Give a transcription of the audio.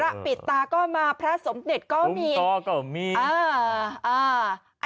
พระปิดตาก็มาพระสมติดก็มีพรุ้งตอก็มีอ่าอ่า